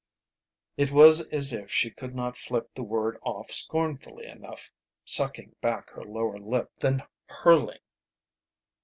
It was as if she could not flip the word off scornfully enough, sucking back her lower lip, then hurling.